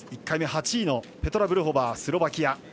１回目、８位のペトラ・ブルホバー、スロバキア。